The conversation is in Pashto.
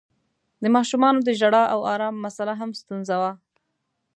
د ماشومانو د ژړا او آرام مسآله هم ستونزه وه.